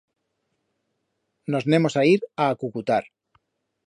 Nos n'hemos a ir a acucutar